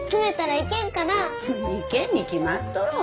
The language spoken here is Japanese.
いけんに決まっとろう。